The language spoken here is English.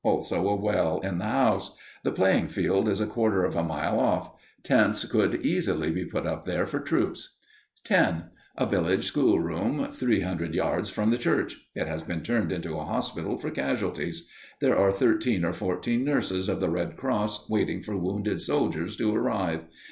Also a well in the house. The playing field is a quarter of a mile off. Tents could easily be put up there for troops._ 10. _A village schoolroom three hundred yards from the church. It has been turned into a hospital for casualties. There are thirteen or fourteen nurses of the Red Cross waiting for wounded soldiers to arrive.